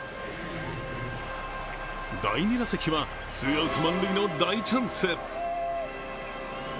第２打席はツーアウト満塁の大チャンス。